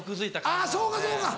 あぁそうかそうか。